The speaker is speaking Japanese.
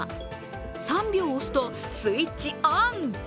３秒押すと、スイッチオン！